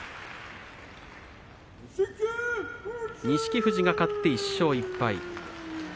錦富士が勝って１勝１敗。